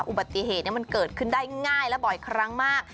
อุบัติเหตุมันเกิดขึ้นได้ง่ายและบ่อยครั้งมาก